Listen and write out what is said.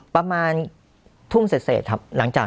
ประมาณทุ่มเศษครับ